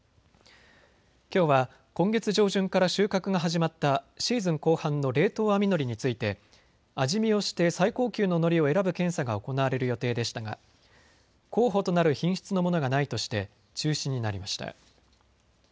きょうは今月上旬から収穫が始まったシーズン後半の冷凍網のりについて味見をして最高級ののりを選ぶ検査が行われる予定でしたが、候補となる品質のものがないとして中止になりました。